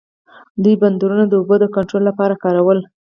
دوی بندرونه د اوبو د کنټرول لپاره کارول.